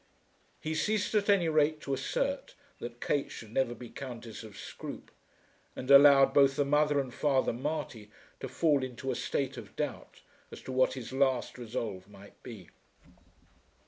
He ceased, at any rate, to assert that Kate should never be Countess of Scroope, and allowed both the mother and Father Marty to fall into a state of doubt as to what his last resolve might be.